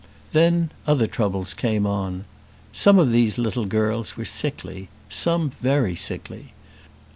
Then other troubles came on. Some of these little girls were sickly, some very sickly.